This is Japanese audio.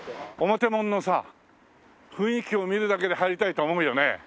表門のさ雰囲気を見るだけで入りたいと思うよね。